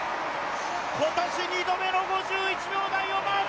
今年２度目の５１秒台をマーク。